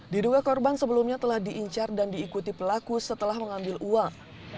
diduga korban sebelumnya telah diincar dan diikuti pelaku setelah mengambil uang